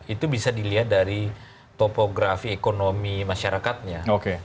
itu bisa dilihat dari topografi ekonomi masyarakatnya